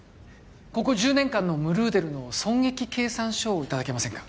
ここ１０年間のムルーデルの損益計算書をいただけませんか？